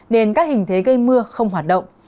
nên các hình thế gây mưa không hoạt động